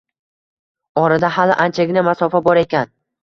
Orada hali anchagina masofa bor ekan